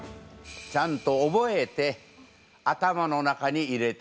ちゃんと覚えて頭の中に入れてあります。